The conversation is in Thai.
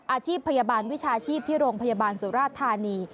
อาชีพพยาบาลวิชาชีพที่โรงพยาบาลสุราธานี